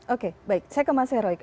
oke baik saya ke mas heroik